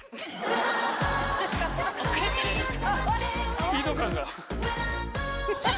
スピード感が。